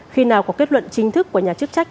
khi nào có kết luận chính thức của nhà chức trách